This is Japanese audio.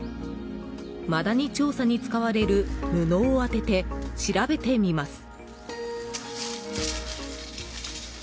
マダニ調査に使われる布を当てて調べてみます。